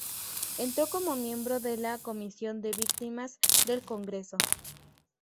Entró como miembro de la Comisión de Víctimas del Congreso.